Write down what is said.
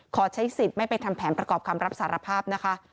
ขอใช้สิทธิ์ไม่ไปทำแผนประกอบคำรับสารภาพนะคะ